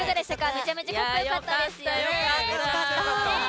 めちゃめちゃかっこよかったですよね。